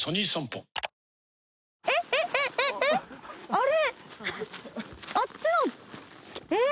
あれ。